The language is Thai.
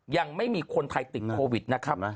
ยังไม่มีคนไทยติดโควิดนะครับ